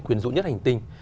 quyền rũ nhất hành tinh